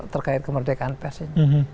terkait kemerdekaan persen